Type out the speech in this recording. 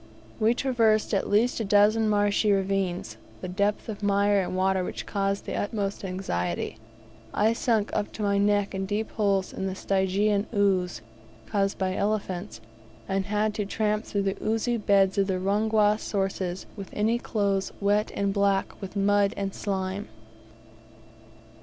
We traversed at least a dozen marshy ravines, the depth of mire and water in which caused the utmost anxiety. I sunk up to my neck in deep holes in the Stygian ooze caused by elephants, and had to tramp through the oozy beds of the Rungwa sources with any clothes wet and black with mud and slime.